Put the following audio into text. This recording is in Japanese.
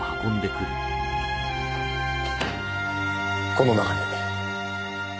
この中に。